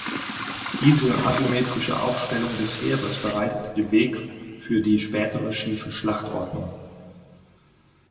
Diese asymmetrische Aufstellung des Heeres bereitete den Weg für die spätere Schiefe Schlachtordnung.